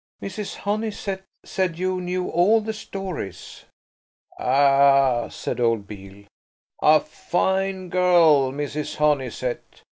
"Mrs. Honeysett said you knew all the stories." "Ah," said old Beale, "a fine girl, Mrs. Honeysett.